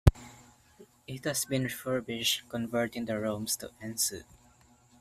It has been refurbished, converting the rooms to en-suite.